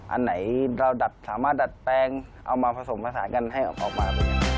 อันไหนเราดัดสามารถดัดแปลงเอามาผสมผสานกันให้ออกมา